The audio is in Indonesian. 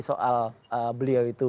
soal beliau itu